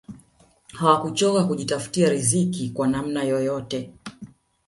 hawakuchoka kujitafutia ridhiki kwa namna yoyote